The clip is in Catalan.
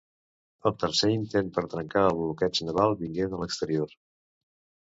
El tercer intent per trencar el bloqueig naval vingué de l'exterior.